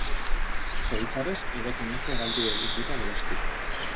Zoritxarrez eraikin asko galdu egin dira geroztik.